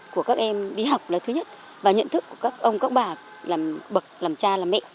của các em đi học là thứ nhất và nhận thức của các ông các bà làm bậc làm cha làm mẹ